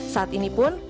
saat ini pun